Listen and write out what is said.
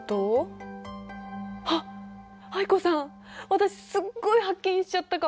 私すっごい発見しちゃったかも！